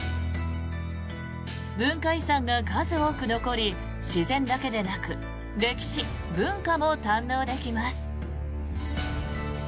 文化遺産が数多く残り自然だけでなく歴史・文化も堪能できます。